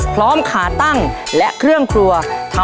ทางโรงเรียนยังได้จัดซื้อหม้อหุงข้าวขนาด๑๐ลิตร